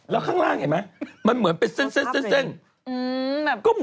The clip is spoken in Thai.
แล้วข้างล่างเห็นไหมมันเหมือนเป็นเส้น